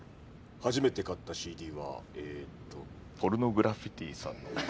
初めて買ったＣＤはえっとポルノグラフィティさんの。